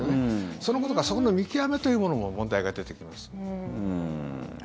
そのことからそこの見極めというものも問題が出てきます。